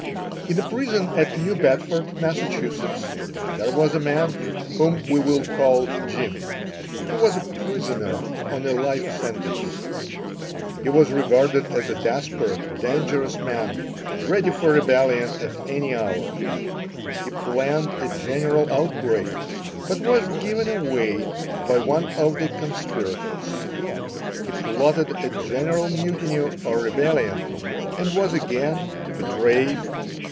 In a prison at New Bedford, Mass., there was a man whom we will call Jim, who was a prisoner on a life sentence. He was regarded as a desperate, dangerous man, ready for rebellion at any hour. He planned a general outbreak, but was "given away" by one of the conspirators. He plotted a general mutiny or rebellion, and was again betrayed.